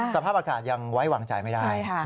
สภาพอากาศยังไว้วางใจไม่ได้